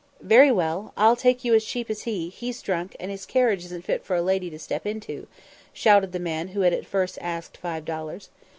"Very well." "I'll take you as cheap as he; he's drunk, and his carriage isn't fit for a lady to step into," shouted the man who at first asked five dollars.